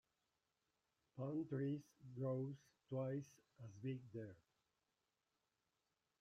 Palm trees grows twice as big there.